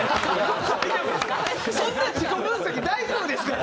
そんな自己分析大丈夫ですから。